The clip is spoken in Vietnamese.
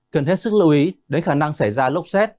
cần hết sức lưu ý đến khả năng xảy ra lốc xét